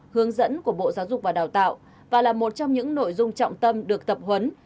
hướng dẫn của bộ giáo dục và đào tạo và là một trong những nội dung trọng tâm được tập huấn